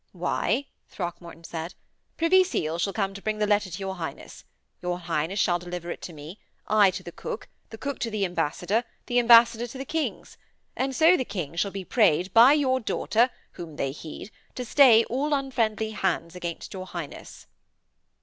'Why,' Throckmorton said, 'Privy Seal shall come to bring the letter to your Highness; your Highness shall deliver it to me; I to the cook; the cook to the ambassador; the ambassador to the kings. And so the kings shall be prayed, by your daughter, whom they heed, to stay all unfriendly hands against your Highness.'